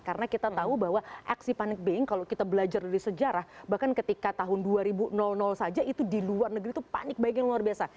karena kita tahu bahwa aksi panik baying kalau kita belajar dari sejarah bahkan ketika tahun dua ribu saja itu di luar negeri itu panik baying yang luar biasa